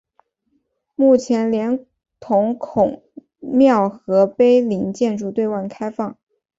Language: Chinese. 目前连同孔庙和碑林建筑对外开放。